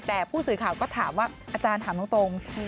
แต่ผู้สื่อข่าวก็ถามว่าอาจารย์ถามตรง